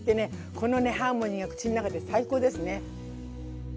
このねハーモニーが口の中で最高ですね。